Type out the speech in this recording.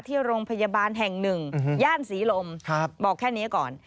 ที่โรงพยาบาลแห่งหนึ่งย่านศรีลมบอกแค่นี้ก่อน